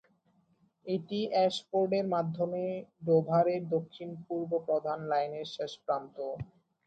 এটি অ্যাশফোর্ডের মাধ্যমে ডোভারের দক্ষিণ পূর্ব প্রধান লাইনের শেষপ্রান্ত।